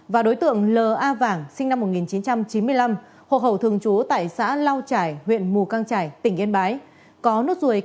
và đối tượng l a vảng sinh năm một nghìn chín trăm chín mươi năm hộ hậu thường chú tại xã lau trải huyện mù căng trải tỉnh yên bái